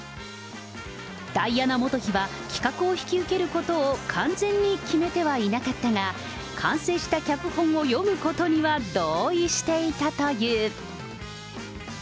ダイアナ元妃は、企画を引き受けることを完全に決めてはいなかったが、完成した脚本を読むことには同意していたという。